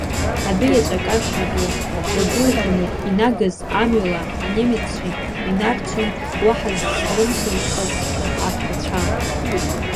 Адәы иаҵәа акаршәра ду иагәылҳәаны инагаз амҩала анемеццәа инарцон уаҳа злымшо иҟаз аҭҟәацәа.